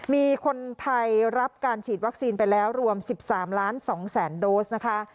มีคนไทยรับการฉีดวัคซีนไปแล้วรวม๑๓ล้าน๒แสนโดสนะคะ